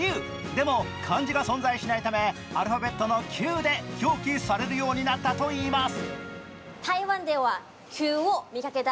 でも感じが存在しないため、アルファベットの「Ｑ」で表記されるようになったといいます。